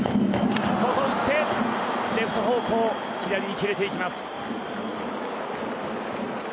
外打ってレフト方向左に切れていきます。